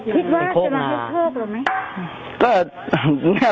คิดว่าจะได้ให้เพิ่มหรือไม่